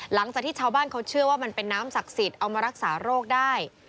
หลังจากที่ชาวบ้านเขาเชื่อว่ามันเป็นน้ำศักดิ์สิทธิ์เอามารักษาโรคได้